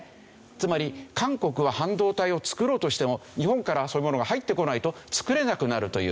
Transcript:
つまり韓国は半導体を作ろうとしても日本からそういうものが入ってこないと作れなくなるという。